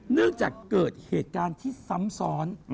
เนื่องจากเกิดเหตุการณ์ที่ซ้ำซ้อน